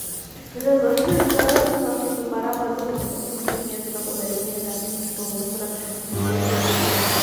Международному сообществу пора подумать о практических методах удаления космического мусора с используемых орбит.